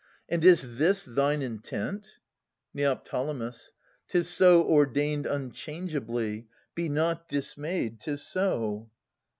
And is this thine intent? Neo. 'Tis so ordained Unchangeably. Be not dismayed ! 'Tis so.